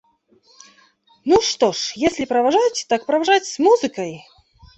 – Ну что ж, если провожать, так провожать с музыкой.